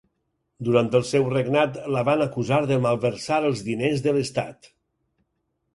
Durant el seu regnat la van acusar de malversar els diners de l'Estat.